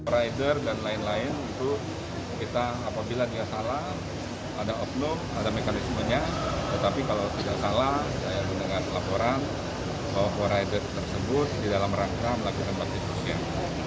rider dan lain lain itu kita apabila dia salah ada oknum ada mekanismenya tetapi kalau tidak salah saya mendengar laporan bahwa for rider tersebut di dalam rangka melakukan praktivisnya